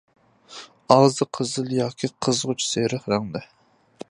ئاغزى قىزىل ياكى قىزغۇچ سېرىق رەڭدە.